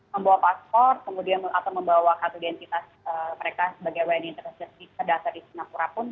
membawa paspor atau membawa kartu identitas mereka sebagai warganya yang teraksi di kedaster di singapura pun